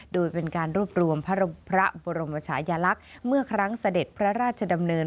โดยเป็นการรวบรวมพระบรมชายลักษณ์เมื่อครั้งเสด็จพระราชดำเนิน